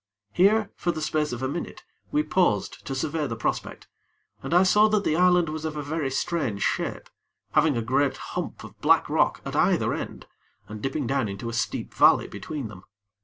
Here, for the space of a minute, we paused to survey the prospect, and I saw that the island was of a very strange shape, having a great hump of black rock at either end, and dipping down into a steep valley between them.